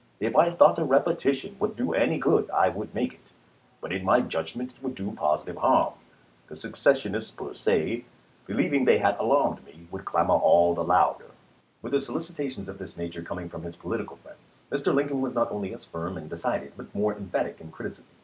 If I thought a repetition would do any good I would make it. But in my judgment Liucoln t0 it would do positive harm. The secessionists per se, be Paschal, lieving they had alarmed me, would clamor all the louder. x ms. With the solicitations of this nature coming from his political friends, Mr. Lincoln was not only as firm and decided, but more emphatic in criticism.